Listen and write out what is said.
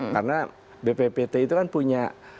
karena bppt itu kan punya